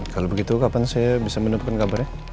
kalau begitu kapan saya bisa menemukan kabarnya